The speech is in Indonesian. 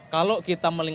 kalau kita menangani